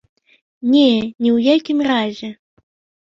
Не, ні ў якім разе!